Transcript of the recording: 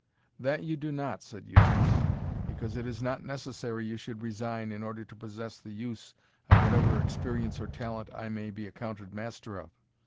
"That you do not," said Eustace; "because it is not necessary you should resign, in order to possess the use of whatever experience or talent I may be accounted master of.